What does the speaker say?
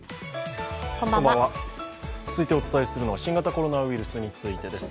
続いてお伝えするのは新型コロナウイルスについてです。